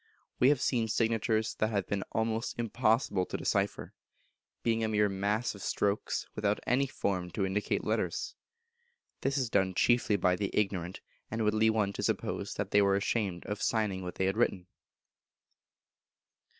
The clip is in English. We have seen signatures that have been almost impossible to decipher, being a mere mass of strokes, without any form to indicate letters. This is done chiefly by the ignorant, and would lead one to suppose that they were ashamed of signing what they had written.